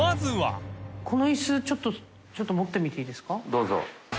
どうぞ。